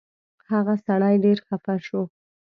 هغه سړی ډېر خفه شو.